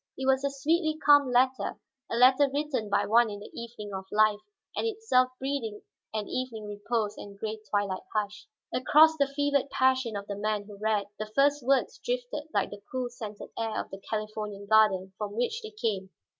It was a sweetly calm letter, a letter written by one in the evening of life and itself breathing an evening repose and gray twilight hush. Across the fevered passion of the man who read, the first words drifted like the cool, scented air of the Californian garden from which they came.